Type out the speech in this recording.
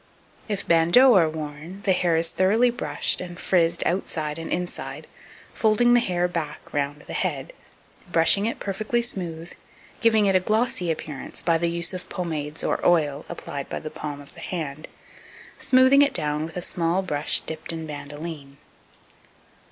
If bandeaux are worn, the hair is thoroughly brushed and frizzed outside and inside, folding the hair back round the head, brushing it perfectly smooth, giving it a glossy appearance by the use of pomades, or oil, applied by the palm of the hand, smoothing it down with a small brush dipped in bandoline.